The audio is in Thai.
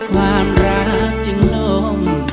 ความรักจึงลม